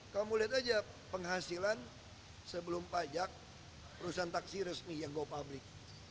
kamu lihat aja penghasilan sebelum pajak perusahaan taksi resmi yang go public